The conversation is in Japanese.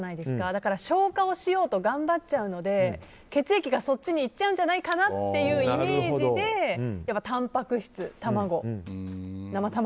だから消化をしようと頑張っちゃうので血液がそっちにいっちゃうんじゃないかなというイメージで、たんぱく質生卵。